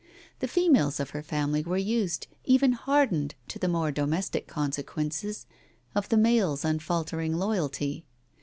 The females of her family were used — even hardened to the more domestic consequences of the males' unfaltering loyalty.